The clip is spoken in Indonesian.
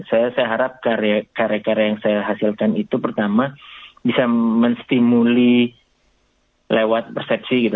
saya harap karya karya yang saya hasilkan itu pertama bisa menstimuli lewat persepsi gitu